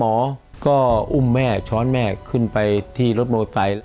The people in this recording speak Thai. หมอก็อุ้มแม่ช้อนแม่ขึ้นไปที่รถมอไซค์